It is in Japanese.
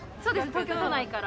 東京都内から。